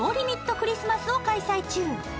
クリスマスを開催中。